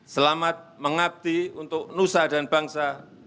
selamat mengabdi untuk nusa dan bangsa